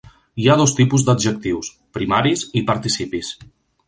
Hi ha dos tipus d'adjectius: primaris i participis.